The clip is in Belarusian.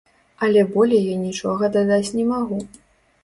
Але болей я нічога дадаць не магу.